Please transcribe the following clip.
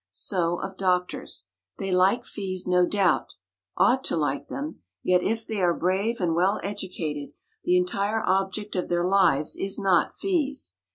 So of doctors. They like fees no doubt, ought to like them; yet if they are brave and well educated, the entire object of their lives is not fees.